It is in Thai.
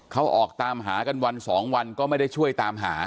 เขาออกตามหากันวันสองวันก็ไม่ได้ช่วยตามหา